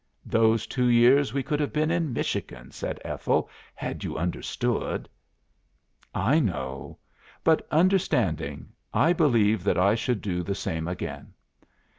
"Those two years we could have been in Michigan," said Ethel, "had you understood." "I know. But understanding, I believe that I should do the same again.